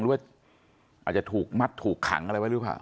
หรือว่าอาจจะถูกมัดถูกขังอะไรไว้หรือเปล่า